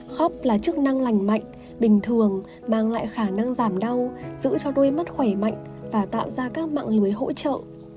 khóp là chức năng lành mạnh bình thường mang lại khả năng giảm đau giữ cho đôi mắt khỏe mạnh và tạo ra các mạng lưới hỗ trợ